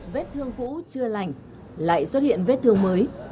vết thương cũ chưa lành lại xuất hiện vết thương mới